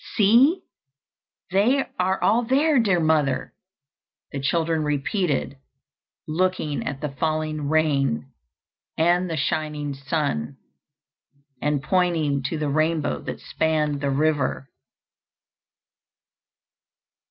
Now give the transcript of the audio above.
"See, they are all there, dear mother," the children repeated, looking at the falling rain and the shining sun, and pointing to the rainbow that spanned the river.